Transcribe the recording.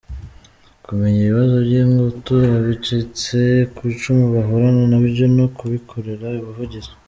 Kumenya ibibazo by’ingutu abacitse ku icumu bahurana nabyo no kubikorera ubuvugizi.